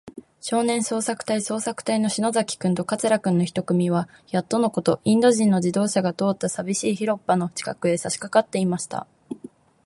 少年捜索隊そうさくたいの篠崎君と桂君の一組は、やっとのこと、インド人の自動車が通ったさびしい広っぱの近くへ、さしかかっていました。